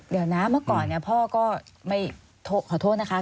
เดี๋ยวนะเมื่อก่อนเนี่ยพ่อก็ไม่ขอโทษนะคะ